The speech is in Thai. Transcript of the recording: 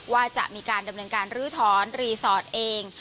ว่าจะมีการดำเนินการลื้อถอนรีสอร์ทเอง